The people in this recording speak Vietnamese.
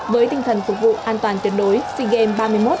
với tinh thần phục vụ an toàn tuyệt đối an toàn